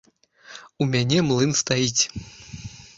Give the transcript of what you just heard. У мяне млын стаіць.